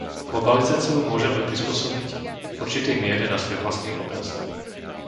Globalizáciu môžeme prispôsobiť v určitej miere na svoj vlastný obraz.